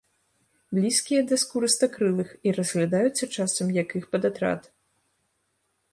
Блізкія да скурыстакрылых і разглядаюцца часам як іх падатрад.